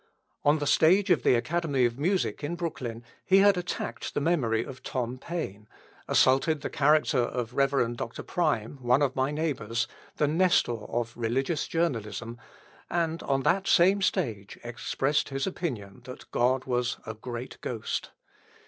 On the stage of the Academy of Music in Brooklyn he had attacked the memory of Tom Paine, assaulted the character of Rev. Dr. Prime, one of my neighbours, the Nestor of religious journalism, and on that same stage expressed his opinion that God was a great Ghost.